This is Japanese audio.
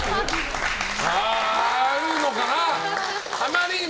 あるのかな？